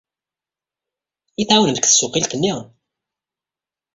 Ad iyi-tɛawnemt deg tsuqqilt-nni?